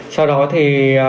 sau đó thì